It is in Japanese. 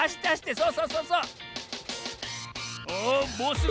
そうそうそう。